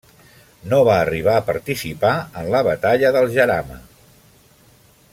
No va arribar a participar en la batalla del Jarama.